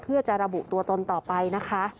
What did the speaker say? เพื่อจะระบุตัวตนต่อไปนะคะ